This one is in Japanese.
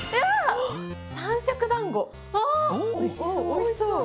おいしそう。